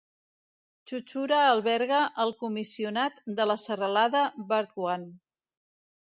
Chuchura alberga el comissionat de la serralada Burdwan.